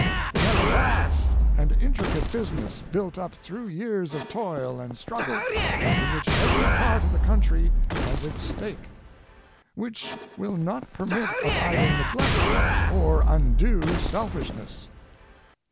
We have a vast and intricate business built up through years of toil and struggle, in which every part of the country has its stake, which will not permit of either neglect or undue selfishness.